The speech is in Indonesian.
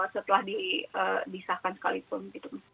setelah disahkan sekalipun gitu